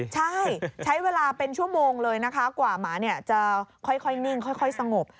ใช่ใช้เวลาเป็นชั่วโมงเลยนะคะกว่าหมาจะค่อยนิ่งค่อยสงบ